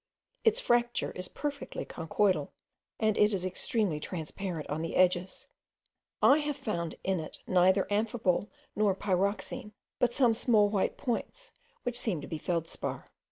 Its fracture is perfectly conchoidal, and it is extremely transparent on the edges. I have found in it neither amphibole nor pyroxene, but some small white points, which seem to be feldspar.